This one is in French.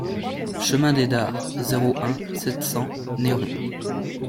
Chemin des Dares, zéro un, sept cents Neyron